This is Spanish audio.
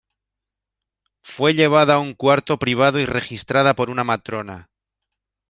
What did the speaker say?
Fue llevada a un cuarto privado y registrada por una matrona.